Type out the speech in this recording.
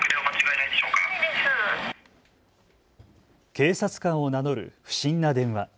警察官を名乗る不審な電話。